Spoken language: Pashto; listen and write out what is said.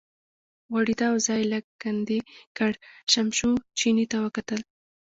غوږېده او ځای یې لږ کندې کړ، شمشو چیني ته وکتل.